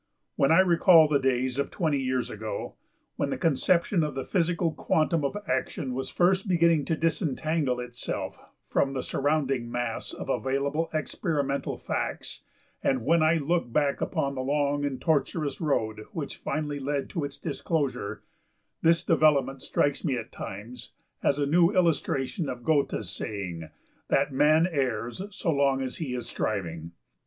When I recall the days of twenty years ago, when the conception of the physical quantum of `action' was first beginning to disentangle itself from the surrounding mass of available experimental facts, and when I look back upon the long and tortuous road which finally led to its disclosure, this development strikes me at times as a new illustration of Goethe's saying, that `man errs, so long as he is striving.'